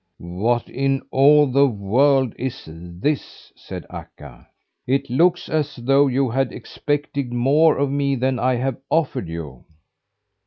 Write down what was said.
"What in all the world is this?" said Akka. "It looks as though you had expected more of me than I have offered you."